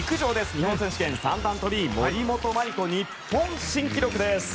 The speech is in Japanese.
日本選手権、三段跳び森本麻里子が日本新記録！